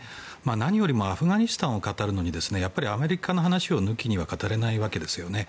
何よりもアフガニスタンを語るのにアメリカの話を抜きには語れないわけですよね。